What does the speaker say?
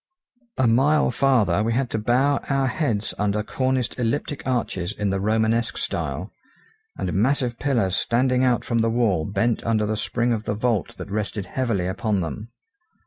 A mile farther we had to bow our heads under corniced elliptic arches in the romanesque style; and massive pillars standing out from the wall bent under the spring of the vault that rested heavily upon them.